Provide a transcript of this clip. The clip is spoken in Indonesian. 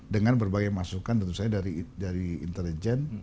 dengan berbagai masukan tentu saja dari intelijen